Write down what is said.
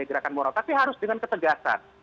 gerakan moral tapi harus dengan ketegasan